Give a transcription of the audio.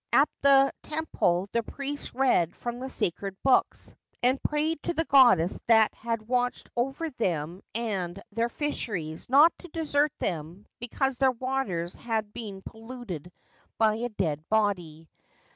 At the temple the priest read from the sacred books, and prayed to the goddess that had watched over them and their fisheries not to desert them because their waters had been polluted by a dead body.